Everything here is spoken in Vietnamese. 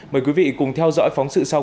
mời quý vị cùng theo dõi phóng sự sau